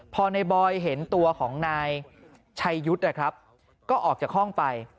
พอในบอยเห็นตัวของนายชัยยุทธ์นะครับก็ออกจากห้องไป